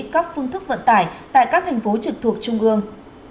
các phương thức vận tải tại các thành phố trực thuộc trung ương